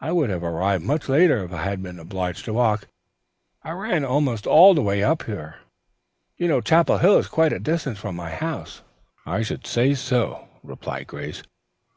I would have arrived much later if I had been obliged to walk. I ran almost all the way up there. You know Chapel Hill is quite a distance from my house." "I should say so," replied Grace.